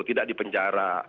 yang tidak dipenjara